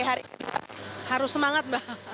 iya harus semangat